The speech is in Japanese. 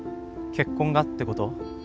結婚がってこと？